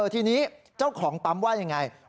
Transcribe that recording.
ทีนี้เจ้าของปั๊มว่ายังไง